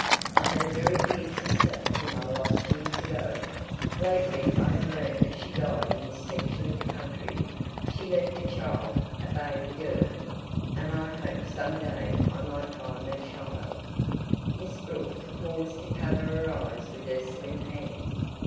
I had a very dear sister whom I lost years ago. Lately I have learned that she died in this section of the country. She left a child a baby girl and I hope some day I may find that child." Miss Brooks paused to cover her eyes with her slim hand.